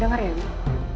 dengar ya wim